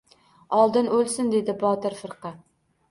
— Oldin o‘lsin... — dedi Botir firqa.